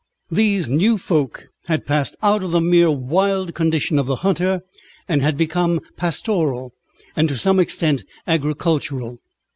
These new folk had passed out of the mere wild condition of the hunter, and had become pastoral and to some extent agricultural.